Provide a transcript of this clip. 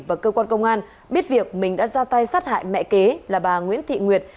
và cơ quan công an biết việc mình đã ra tay sát hại mẹ kế là bà nguyễn thị nguyệt